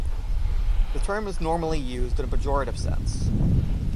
The term is normally used in a pejorative sense.